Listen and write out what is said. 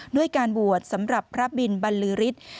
ด้วยการบวชสำหรับพระบินบรรลือฤทธิ์